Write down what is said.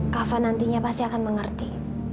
kak fadil nantinya pasti akan mengerti